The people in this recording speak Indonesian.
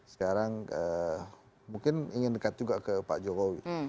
sekarang mungkin ingin dekat juga ke pak jokowi